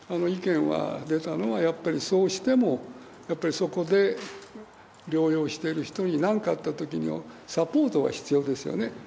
意見が出たのは、やっぱりそうしてもやっぱり、そこで療養している人になんかあったときにサポートが必要ですよね。